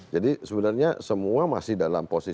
jadi sebenarnya semua masih dalam posisi